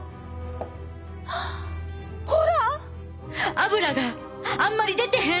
アブラがあんまり出てへん！